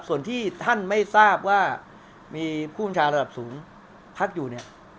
ส่วนที่ท่านไม่ทราบว่ามีผู้บัญชาการระดับสูงพักอยู่เนี่ย